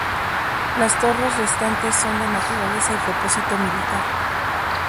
Las torres restantes son de naturaleza y propósito militar.